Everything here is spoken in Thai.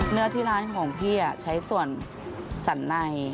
เนื้อที่ร้านของพี่ใช้ส่วนสันใน